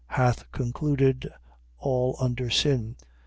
Hath concluded all under sin.